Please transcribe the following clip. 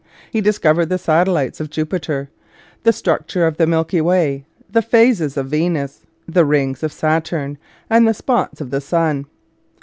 He discovered the satellites of Jupiter, the structure of the Milky Way, the phases of Venus, the rings of Saturn, and the spots on the sun.